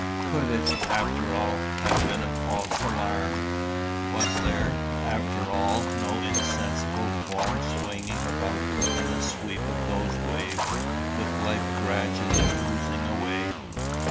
Could it, after all, have been a false alarm? Was there, after all, no insensible form swinging about in the sweep of those waves, with life gradually oozing away?